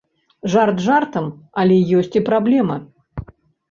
Жарт жартам, але ёсць і праблема.